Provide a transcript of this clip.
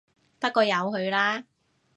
不過由佢啦